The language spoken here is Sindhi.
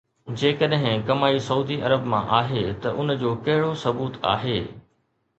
جيڪڏهن ڪمائي سعودي عرب مان آهي ته ان جو ڪهڙو ثبوت آهي؟